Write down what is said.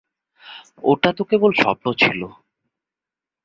ওটা তো কেবল স্বপ্ন ছিল।